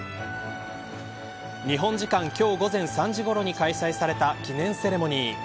日本時間今日午前３時ごろに開催された記念セレモニー。